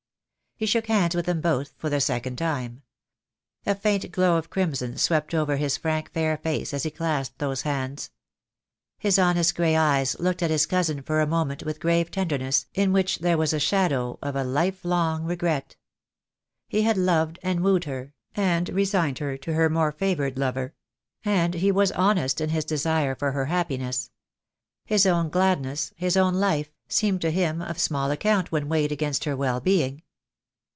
'" He shook hands with them both for the second time. A faint glow of crimson sw^ept over his frank fair face as he clasped those hands. His honest grey eyes looked at his cousin for a moment with grave tenderness, in which there was the shadow of a life long regret. He had loved and wooed her, and resigned her to her more favoured lover, and he wTas honest in his desire for her happiness. His own gladness, his own life, seemed to him of small account when weighed against her well being.